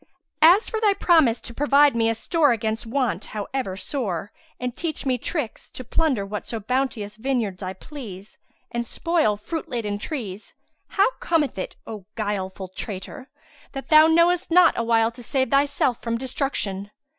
As for thy promise to provide me a store against want however sore and teach me tricks, to plunder whatso bounteous vineyards I please, and spoil fruit laden trees, how cometh it, O guileful traitor, that thou knowest not a wile to save thyself from destruction?